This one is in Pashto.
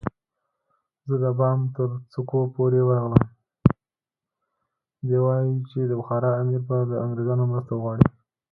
دی وایي چې د بخارا امیر به له انګریزانو مرسته وغواړي.